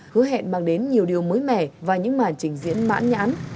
hứa hẹn mang đến nhiều điều mới mẻ và những màn trình diễn mãn nhãn